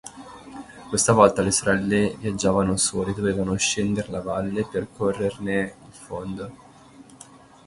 Questa volta le sorelle viaggiavano sole; dovevano scender la valle, percorrerne il fondo.